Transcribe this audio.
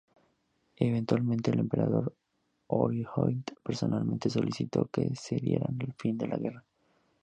Eventualmente el Emperador Hirohito personalmente solicitó que se diera fin a la guerra.